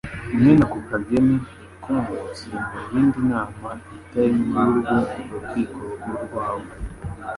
mwene ako kageni yakomotse mu yindi nama itari iy’urwo Rukiko Rukuru rwabo.